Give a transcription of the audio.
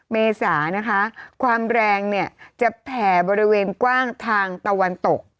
๒เมษาขวามแรงจะแผ่บริเวณกว้างทางตะวันตก